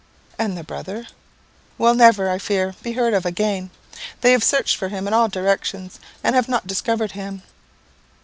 "And the brother?" "Will never, I fear, be heard of again. They have searched for him in all directions, and have not discovered him.